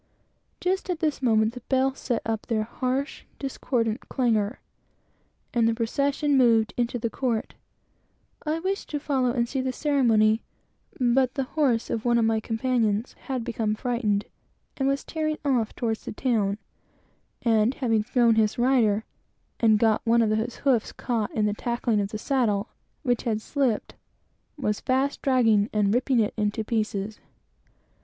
Just at this moment, the bells set up their harsh, discordant clang; and the procession moved into the court. I was anxious to follow, and see the ceremony, but the horse of one of my companions had become frightened, and was tearing off toward the town; and having thrown his rider, and got one of his feet caught in the saddle, which had slipped, was fast dragging and ripping it to pieces.